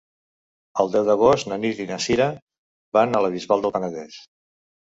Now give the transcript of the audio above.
El deu d'agost na Nit i na Cira van a la Bisbal del Penedès.